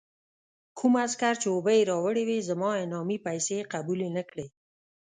کوم عسکر چې اوبه یې راوړې وې، زما انعامي پیسې یې قبول نه کړې.